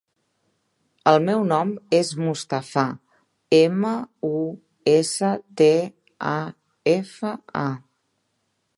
El meu nom és Mustafa: ema, u, essa, te, a, efa, a.